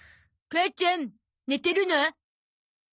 母ちゃん寝てるの？